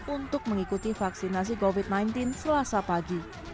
untuk mengikuti vaksinasi covid sembilan belas selasa pagi